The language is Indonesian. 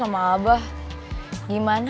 gimana ya gue udah ngadepin abah